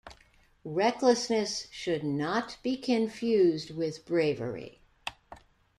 Recklessness should not be confused with bravery.